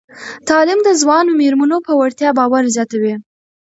تعلیم د ځوانو میرمنو په وړتیاوو باور زیاتوي.